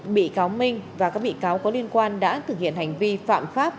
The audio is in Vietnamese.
bị cáo minh và các bị cáo có liên quan đã thực hiện hành vi phạm pháp